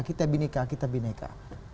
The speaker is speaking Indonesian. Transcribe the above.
kita beneka kita beneka